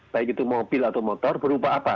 baik itu mobil atau motor berupa apa